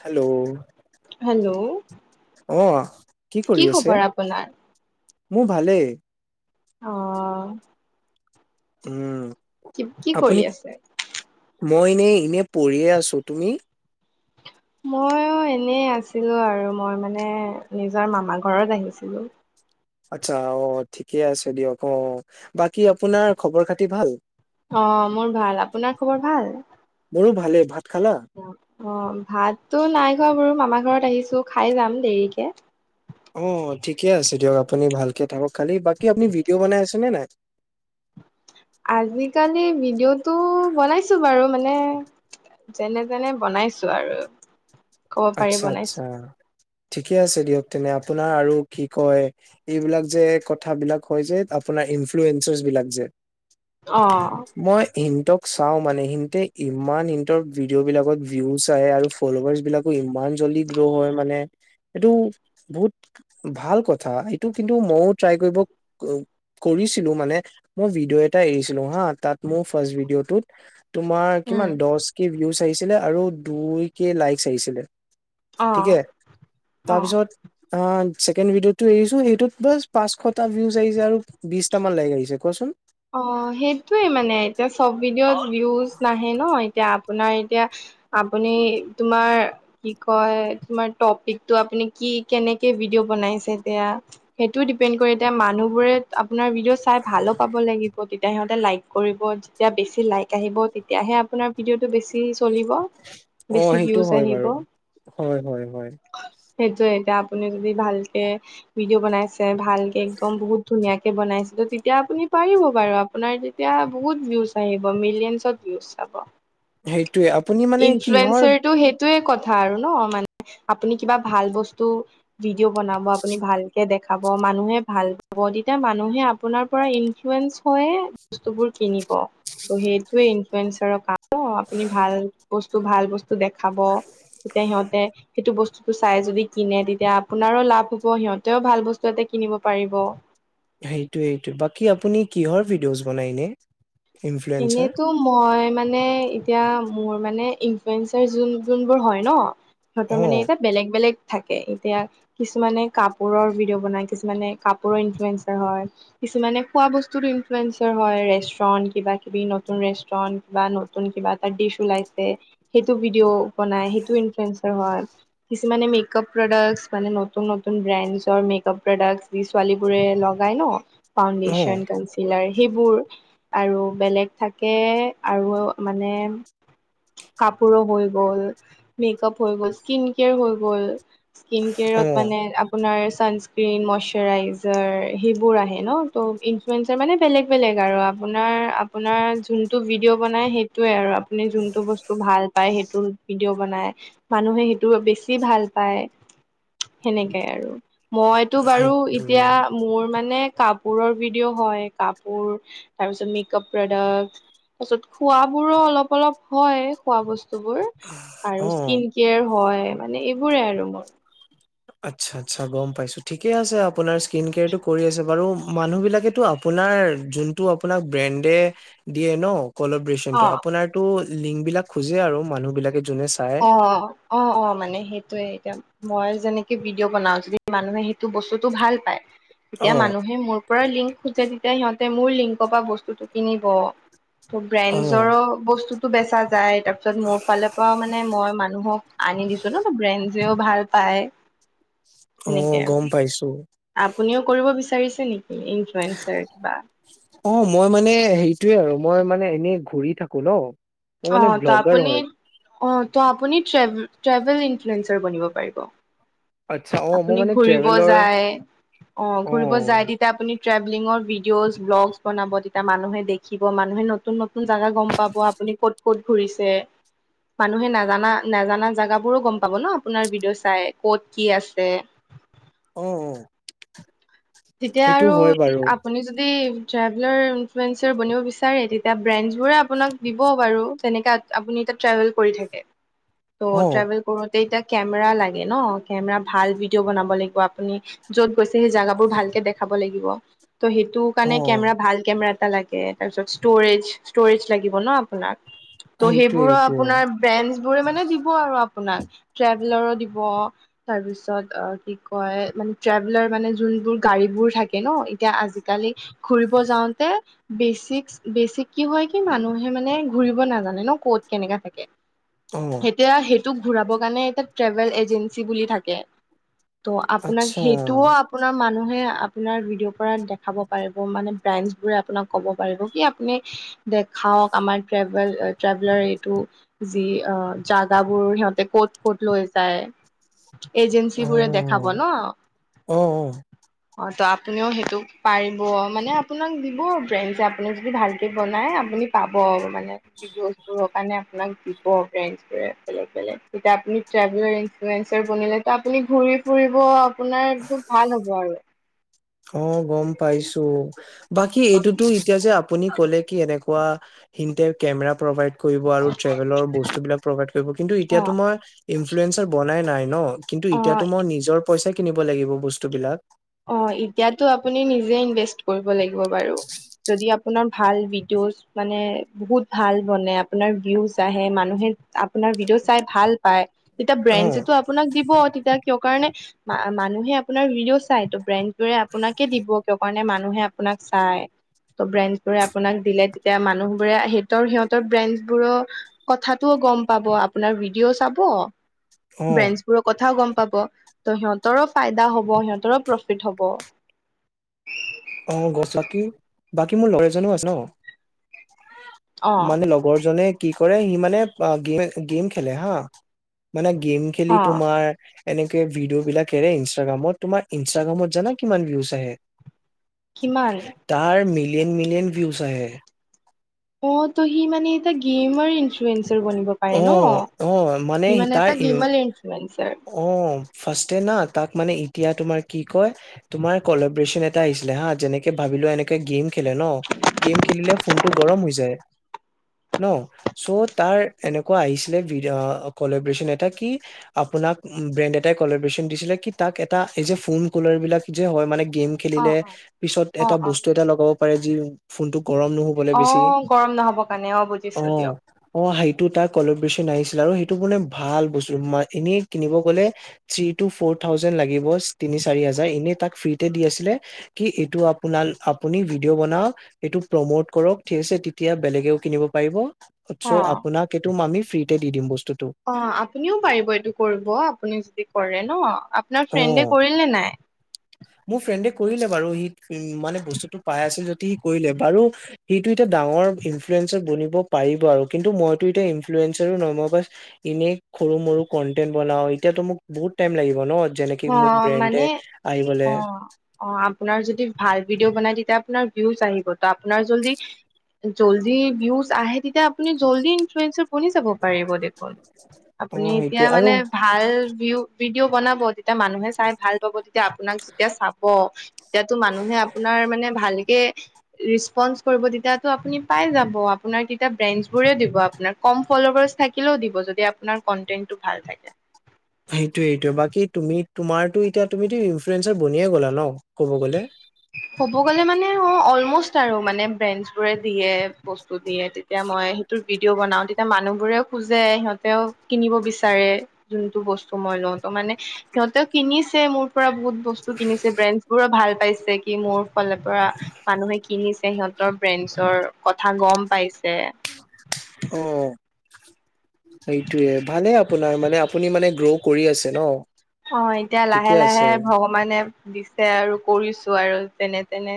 Hello hello অহ, কি কৰি আছে? খবৰ আপোনাৰ? মোৰ ভালেই আহ। উম। কি- কি আপুনি কৰি আছে? মই এনেই এনে পঢ়িয়ে আছো তুমি? মইয় এনেই আছিলো আৰু মই মানে নিজৰ মামা ঘৰত আহিছিলো। আচ্ছা অহ ঠিকে আছে দিয়ক অহ বাকী আপোনাৰ খবৰ -খাতি ভাল? অহ, মোৰ ভাল, আপোনাৰ খবৰ ভাল? মোৰো ভালে ভাত খালা? অহ, ভাততো নাই খোৱা বাৰু মামাৰ ঘৰত আহিছো খাই যাম দেৰিকে। অহ, ঠিকে আছে দিয়ক আপুনি ভালকে থাকক খালি বাকী আপুনি ভিডিঅ' বনাই আছেনে নে নাই? [inaudible] আজিকালি ভিডিঅ'টো বনাইছো বাৰু। মানে যেনে- তেনে বনাইছো আৰু। ক'ব পাৰি আচ্ছা -আচ্ছা। বনাইছো। ঠিকে আছে দিয়ক তেনে আপোনাৰ আৰু কি কয় এইবিলাক যে, কথাবিলাক হয় যে তোমাৰ ইনফ্লুৱেঞ্চাৰচবিলাক যে, অ' মই ইণ ক চাওঁ মানে হিন্তে ইমান ইন্তৰ ভিডিঅ' বিলাকত ভিউজ আহে আৰু ফলৱাৰ্চ বিলাক ইমান জল্দি গ্ৰৱ হয় মানে এইটো বহুত ভাল কথা এইটো কিন্তু মইও ট্ৰাই কৰিব কৰিছিলো মানে মই ভিডিঅ' এটা এৰিছিলো হা তাত মোৰ ফাৰ্ষ্ট ভিডিঅ'টোত তোমাৰ উম, কিমান দচ কে ভিউজ আহিছিলে আৰু দুই কে লাইকচ আহিছিলে। অ' ঠিকে অ'। তাৰপিছত আহ, ছেকেণ্ড ভিডিঅ' টো এৰিছো সেইটোত বাচ পাঁচশটা ভিউজ আহিছে আৰু বিশটা মান লাইক আহিছে কোৱাচোন? অহ, সেইটোয়ে মানে এতিয়া চব ভডিঅ' ভিউজ নাহে ন'এতিয়া আপোনাৰ এতিয়া আপুনি তোমাৰ কি কয় তোমাৰ তপিকটো আপুনি কি কেনেকে ভিডিঅ'বনাইছে এতিয়া সেইটোও দিপেণ্ড কৰে এতিয়া মানুহ বোৰে আপোনাৰ ভিডিঅ' চাই ভালো পাব। তেতিয়াহে লাইক কৰিব যেতিয়া বেছি লাইক আহিব তেতিয়াহে আপোনাৰ ভিডিঅ'টো বেছি চলিব অ বেছি সেইটো ভিউজ হয় আহিব। বাৰু হয় হয় হয় সেইটোয়ে এতিয়া আপুনি যদি ভালকে ভিডিঅ' বনাইছে ভালকে একদম বহুত ধুনীয়াক বনাইছিলো তেতিয়া আপুনি পাৰিব বাৰু আপোনাৰ তেতিয়া বহুত ভিউজ আহি মিলিয়নত ভিউজ চাব। সেইটোৱে আপুনি মানে কিহৰ ইনফ্লুৱেঞ্চাৰটো সেইটোয়ে কথা। কথা আৰু ন' মানে আপুনি কিবা ভাল বস্তু ভিডিঅ' বনাব আপুনি ভালকে দেখাব মানুহে ভাল পাব তেতিয়া মানুহে আপোনাৰ পৰা ইন ইনফ্লুয়েঞ্চ হয়ে বস্তুবোৰ কিনিব, ত সেইটোৱে ইনফ্লুয়েঞ্চাৰৰ কাম আপুনি ভাল বস্তু -ভাল বস্তু দেখাব তেতিয়া সিহঁতে সেইটো বস্তুটোতো চাই যদি কিনে তেতিয়া আপোনাৰো লাভ হ'ব সিহঁতেও ভাল বস্তু এটা কিনিব পাৰিব। সেইটোৱেতো বাকী আপুনি কিহৰ ভিডিঅ'জ বনাই এনে? ইনফ্লুৱেঞ্চাৰ এনেইতো মই মানে এতিয়া মোৰ মানে ইনফ্লুয়েঞ্চৰ যোন- যোনবোৰ হয় ন', সিহতৰ অ মানে এটা বেলেগ -বেলেগ থাকে, এতিয়া কিছুমানে কাপোৰৰ ভিডিঅ' বনাই কিছুমানে কাপোৰৰ ইনফ্লয়েঞ্চাৰ হয় কিছুমানে খোৱা বস্তুদি ইনফ্লুৱেঞ্চৰ হয়, ৰেষ্টুৰেণ্ট কিবা নতুন ৰেষ্টুৰণ্ট বা নতুন কিবা এটা ডিচ ওলাইছে সেইটো ভিডিঅ' বনাই সেইটো ইনফ্লুৱেঞ্জ হয়, কিছুমানে মেকআপ প্ৰডাক্স মানে নতুন নতুন ব্ৰেণ্ডজৰ মেকপ প্ৰডাক্ট ছোৱালীবোৰে লগাই ন' অ ফাউণ্ডেছন, কনঞ্চেলাৰ সেইবোৰ আৰু বেলেগ থাকে আৰু মানে কাপোৰো হৈ গ'ল, মেকআপ হৈ গল, স্কিন কেয়াৰ হৈ গ'ল স্কিন অ কেয়াৰত মানে আপোনাৰ ছানস্ক্ৰীণ মইশ্বৰাইজাৰ সেইবোৰ আহে ন' ত' ইনফ্লুৱেঞ্চাৰ মানে বেলেগ -বেলেগ আৰু আ আপোনাৰ আপোনাৰ যোনটো ভিডিঅ' বনায় সেইটোৱে আৰু আ বস্তু ভাল পায় সেইটোৰ ভিডিঅ' বনাই মানুহে সেইটো বেছি ভাল পায়। সেনেকাই আৰু মইতো বাৰু সেইটোৱে এতিয়া মোৰ মানে কাপোৰৰ ভিডিঅ' হয় কাপোৰ তাৰপিছত মেকআপ প্ৰডাক্ট। তাৰপাছত খোৱ বোৰো অলপ অলপ। হয় খোৱা বস্তু বোৰ আৰু অ স্কিন কেয়ৰ হয় মানে এইবোৰে আৰু মোৰ। আচ্ছা, আচ্ছা, গম পাইছো ঠিকে আছে আপোনাৰ স্কীনকেয়াৰটো কৰি আছে বাৰু, মানুহবিলাকেতো আপো আপোনাৰ যোনটো আপোনাক ব্ৰেণ্ডে দিয়ে ন কলাব্ৰেচণ্টো অ আপোনাৰো লিংক বিলাক খোজে আৰু মানুহ বিলাকে যোনে চাই অ অ অ মানে সেইটোয়ে। মই যেনেকে ভিডিঅ' বনাও যদি মানুহে সেইটো বস্তুটো ভাল পায় অ তেতিয়া মানুহে মোৰ পৰা লিংক খোজে তেতিয়া সিহঁতে মোৰ লিংকৰ পৰা বস্তুটো কিনিব। ত অ ব্ৰেণ্ডৰো বস্তুতটো বেচা যায় তাৰ পিছত মোৰ ফালৰ পৰা মানে মই মানুহক আনি দিছো ন ব্ৰেন যেও ভাল পায় অ সেনেকে আৰু গম পাইছো। আপুনিও কৰিব বিচাৰিছে নেকি? ইনফ্লুৱেঞ্চাৰ কিবা অ মই মানে হেৰিটয়ে আৰু মই মানে এনেই ঘূৰি থাকো ন মই অ মানে ত ব্লগাৰ আপুনি হয় অ ত আপুনি ট্ৰেভেল ইন্ঞ্চাৰনিব বনিব পাৰিব আচ্ছা অ মই আপুনি মানে ঘুৰিব ট্ৰেভেলৰ যায় অ ঘূৰিব যায় তেতিয়া আপুনি। ট্ৰেভেলিঙৰ ভিডি'জ ব্লগছ বনাব তেতিয়া মানুহে দেখিব মানুহে নতুন নতুন জেগা গম পাব আপুনি ক'ত ক'ত ঘূৰিছে। মানুহে নাজানা নাজানা জাগাবোৰো গম পাব ন আপোনাৰ ভিডিঅ' চাই ক'ত কি আছে। তে উ উ। তেতিয়া আৰু আপুনি যদি ট্ৰেভেলাৰ ইনফ্লেঞ্চাৰ বনিব বিচাৰে তেতিয়া ব্ৰেছবোৰে আপোনাক দিব বাৰু তেনেকা আপুনি। ট্ৰেভেল কৰি থাকে অ ত' ট্ৰেভেল কৰো এতিয়া কেমেৰা লাগে ন কেমেৰা ভাল ভিডিঅ' বনাব লাগিব আপুনি য'ত গৈছে সেই জাগা। ভালকে দেখাব লাগিব ত সেইটো অ কাৰণে কেমেৰা ভাল কেমেৰা লাগে তাৰপিছত ষ্টৰেজ ষ্টৰেজ লাগিব ন আপোনাক ত সেইটোৱে সেইবোৰৰ সেইটোৱে আপোনাৰ ব্ৰেণ্ডন বোৰে মানে দিব আৰু আপোনাক। দিব। তাৰ পাছত আ কি কয়, মানে ট্ৰেভেলাৰ যোন গাড়ী বোৰ থাকে ন এতিয়া আজিকালি ঘুৰিব যাওঁতে বেচিক বেচিক হয় কি মানুহে মানে ঘূৰিব নাজানে ন কত কেনেকা থাকে অ এতিয়া সেইটোক ঘূৰাবৰ কাৰণে এটা ট্ৰেভেল এজেঞ্চি বুলি থাকে। ত' আপোনাক আচ্ছা সেইটোও আপোন মানুহে আপোনাৰ ভিডিঅ' পৰা দেখাব পাৰিব মানে ব্ৰেণ্ড বোৰে আপোনাক ক'ব পাৰিব কি আপুনি দেখাওক আমাৰ ট্ৰেভেলাৰ এইটো যি জাগাবোৰ সিহঁতে ক'ত ক'ত লৈ যায় অ এজেঞ্চিবোৰে দেখাব ন। অ অ ত আপুনিও সেইটো পাৰিব মানে আপোনাক দিব ফ্ৰেণ্ড যে আপোননি যদি ভালকৈ বনায় আপুনি পাব মানে ভিডিঅ'জবোৰৰ কাৰণে আপোনাক দিব ফ্ৰেণ্ডছ বোৰে বেলেগ বেলেগ এতিয়া আপুনিভেল্ বনিলেটো আপুনি ঘূৰি ফুৰি ফুৰিব আপোনাৰ এক ভাল হ'ব আৰু অ গম অ পাইছো বাকী এইটোতো এতিয়া যে আপুনি কলে কি এনে তেনেকোৱা হিনটাইপ কেমেৰা প্ৰভাইড কৰিব আৰু ট্ৰেভেলৰ বস্তু বিলাক প্ৰভাৱ কৰিব কিন্তু এতিয়া টো মই ইনফ্লেৰ বনাই নাই ন। কিন্তু অ এতিয়াতো মই নিজৰ পইচাই কিনিব লাগিব বস্তুবিলাক। অ এতিয়াটো আপুনি নিযে ইনভেষ্ট কৰিব লাগিব বাৰু যদি আপোনাৰ ভাল মানে বহুত ভাল বনে আপোনাৰ ভিউজ আহে মানুহে আপোনাৰ ভিডিঅ' চাই ভাল পায় তেতিয়া অ ব্ৰেঞ্চেটো আপোনাক দিব তেতিয়া কিয় কাৰণে মানুহে আপোনাৰ ভিডিঅ' চাই ত ব্ৰে [unintelligible] দৰে আপোনাকে দিব কিয় কাৰণে মানুহে আপোনাক চাই। ত' ব্ৰেণ্ডছ বোৰে আপোনাক দিলে তেতিয়া মানুহবোৰে সিহতৰ সিহঁতৰ ব্ৰেণ্ডছ বোৰৰ কথাটো গম পাব আপোনাৰ ভিডিঅ' চাব অ ব্ৰেঞ্চবোৰৰ কথাও গম পাব ত' সিহঁতৰো ফাইদা হ'ব সিহঁতৰো প্ৰফিট হ'ব অ গছাকি বাকী মোৰ লৰা এজনো আছে ন অ মানে লগৰজনে কি কৰে সি মানে গেম গেম খেলে হা। মানে গেম খেলি অ তোমাৰ এনেকে ভিডিঅ' বিলাক এৰে ইনষ্টাগ্ৰামত তোমাৰ ইনষ্টাগ্ৰামত জানা কিমান ভিউজ আহে। কিমান তাৰ মিলিয়ন মিলিয়ন ভিউজ আহে। অ ত সি মানে এয়া গেমৰ বনিব পাৰে অ ন অ মানে সিমানে তাৰ এটা ইনফ্লুৱেঞ্চ। অ ফ্ৰাস্টে না তাত মানে এতিয়া তোমাৰ কি কয় কলাব্ৰেশ্বন এটা আহিছিলে হা, যেনেকে ভাবিলোৱা এনেকে গেম খেলে ন গেম খেলিলে ফোনটো গৰম হৈ যায়। ন চ' তাৰ এনেকুৱা আহিছিলে ভিডিঅ' আ কলেব্ৰচন এটা কি আপোনাক ব্ৰেণ্ড এটাই কলাৰচন দিছিলে কি তাক এটা এই যে ফোন কলাৰ বিলাক যে হয় মানে গেম অ খেলিলে পিছত অ অ এটা অ বস্তু এটা লগাব পাৰে যি ফোনটো গৰম নুহুবলৈ অ বেছি গৰম নহ'ব কাৰণে অ বুজিছো দিয়ক অ হাৰি টো তাৰ কলপ বেচি ন আহিছিলে আৰু সেইটো মানে ভাল বস্তু মই এনেই কিনিব গ'লে থি টু ফ'ৰ থাউজেনড লাগিব তিনি চাৰি হাজাৰ এনেই তাক ফ্ৰীতে দি আছিলে। কি এইটো আপোনাৰ আপোনি ভিডিঅ'বনাওক এইটো প্ৰমোত কৰক। ঠিক আছে তেতিয়া বেলেগে কিনিব পাৰিব অ চও আপোনাক সিটোৰ আমিও ফিৰিকে দি দিম [unintelligible] অ আপুনিও পাৰিব এইটো কৰিব আপুনি যদি কৰে ন। আপোনাৰ ফ্ৰেণ্ডে অ কৰিলে নে নাই? মোৰ ফ্ৰেণ্ডে কৰিলে বাৰু সি উ মানে বস্তুটো পাই আছিল যদি সি কৰিলে বাৰু সিটো টা ডাঙৰ ইনফ্লুৱেঞ্চাৰ বনিব পাৰিব আৰু কিন্তু মইতো এতিয়া ইনফ্লেবেঞ্চ ন মই বছ এনেই সৰু মৰু কন্টেন্ট বনাও এতিয়াতো মোক বহুত টাইম লাগিব ন। যেনেক অ মোক ব্ৰেণ্ডে মানে আহিবলে অ অ আপোনাৰ যদি ভাল ভিডিঅ' বনাই তেয়া আপোনাৰ ভিউজ আহিব তো আপোনাৰ যদি জল্দি ভিউছ আহে তেতিয়া আপুনি জল্দি ইনফ্লুৱেঞ্চ বনি যাব পাৰিব দেখোন অ আপুনি এতিয়া সেইটোয়ে আৰু মানে ভাল ভিউ ভিডিঅ' বনাব তেতিয়া মানুহে চাই ভাল পাব। এতিয়া আপোনাক যেতিয়া চাব তেতিয়াতো মানুহে আপোনাৰ মানে ভালকে ৰেঞ্চপন কৰিব তেতিয়াটো আপুনি পাই যাব। আপোনাৰ তেতিয়া ব্ৰেঞ্চবোৰে দিব আপোনাক কম থাকিলে দিব যদি কণ্টেন টো ভাল থাকে সেইটোয়ে সেইটো বাকি তুমি তোমাৰোটো এতিয়া তুমিতো ইনফ্লুৱেঞ্চাৰ বনিয়ে গলা ন ক'ব গ'লে ক'ব গ'লে মানে অঁ অলম'ষ্ট আৰু মানে ব্ৰেণ্ডছবোৰে দিয়ে বস্তু দিয়ে তেতিয়া মই সেইটো ভিডিঅ' বনাও তেতিয়া মানুহ বোৰে খোজে সিহঁতেও কিনিব বিচাৰে যোনটো বস্তু মই লওঁ ত মানে সিহঁতেও কিনিছে মোৰ পৰা বহুত বস্তু কিনিছে ব্ৰে পুৰা ভাল পাইছে কি মোৰ ফালৰ মানুহে কিনিছে, সেতৰ বেঞ্চৰ কথা গম [unintelligible] গম পাইছে সেইটোৱে ভালে আপোনাৰ মানে আপুনি মানে গ্ৰ' কৰি আছে ন অ এতিয়া লাহে ঠিকে লাহে আছে ভগৱানে দিছে আৰু কৰিছো। আৰু যেনে-তেনে,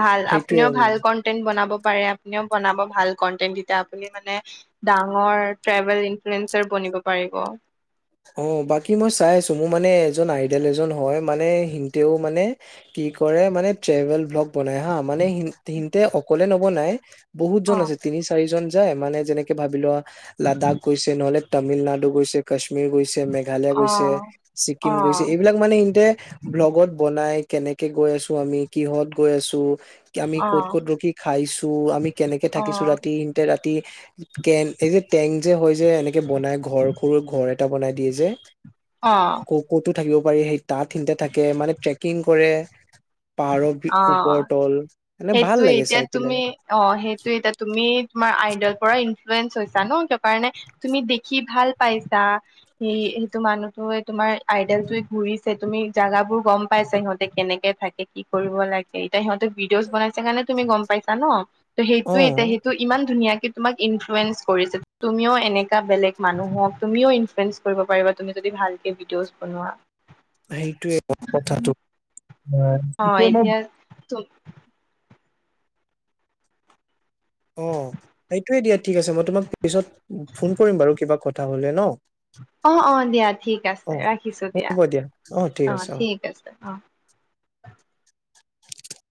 ভাল, আপুনিও সেইটোয়ে ভাল কন্টেন্ট বনাব পাৰে, আপুনিও বনাব ভাল কণ্টেণ্ট, তেতিয়া আপুনি মানে, ডাঙৰ ট্ৰেভেল ইনফ্লোএঞ্চৰ বনিব নিব পাৰিব। অ' বাকী মই চাই আছো, মোৰ মানে এজন আইডেল এজন হয় মানে, সিনতেও মানে কি কৰে, মানে ট্ৰেভেল ভ্লগ বনায় হা! মানে সিহঁতে অকলে নবনায়, বহুত অ জন আছে তিনি-চাৰিজন। যায়। মানে যেনেকে ভাবি লোৱা, লাডাখ গৈছে, নহলে তামিলনাডু গৈছে, কাশ্মীৰ গৈছে। মেঘালয় অ গৈছে, অ ছিক্কিম গৈছে, এইবিলাক মানে ইতে ব্লগত বনায়। কেনেকে গৈ আছো আমি, কিহত গৈ আছো? আমি ক'ত ক'ত ৰখি খাইছো, আমি কেনেকে অ থাকিছো ৰাতি। সিহঁতে ৰাতি কেন এ যে টেন্ট যে হয় যে, এনেকে বনাই ঘৰ সৰু ঘৰ এটা বনাই দিয়ে যে অ'। ক ক'তো থাকিব পাৰি, সেই তাত সিহঁতে থাকে। মানে ট্ৰেকিং কৰে। পাৰত, অ অ ওপৰতল সেইটোয়ে, এতিয়া তুমি অ' সেইটোৱে এতিয়া তুমি তোমাৰ আইডৰ পৰা ইনফ্লোৱেঞ্চ হৈছা ন? কিয় কাৰণে তুমি দেখি ভাল পাইছা। সেইটো মানুহটোৱে তোমাৰ আইডেলটোৰে ঘুৰিছে। তুমি জেগাবোৰ গম পাইছা, সিহঁতে কেনেকে থাকে। কি কৰিব লাগে, এতিয়া সিহঁতক অচ বনাইছে কাৰণে তুমি গম পাইছা ন? ত' অ সেইটোৱে এতিয়া, সেইটো ইমান ধুনীয়াকে তোমাক ইনফ্লুৱেঞ্চ কৰিছে, তুমিও এনেকা বেলেগ মানুহক তুমিও ইনফ্লুৱেঞ্চ কৰিব পাৰিবা। তুমি যদি ভালকে ভিডিঅ'জ বনোৱা। সেইটোৱে কথাটো, এইটো অলপ তুম অ' সেইটোৱে দিয়া, ঠিক আছে। মই তোমাক পিছত ফোন কৰিম বাৰু কিবা কথা হ'লে ন? অ' অ' দিয়া ঠিক অ আছে। ৰাখিছো দিয়া। অ' ঠিক আছে। অ'।